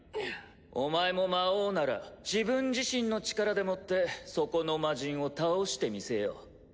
お前も魔王なら自分自身の力でもってそこの魔人を倒してみせよ。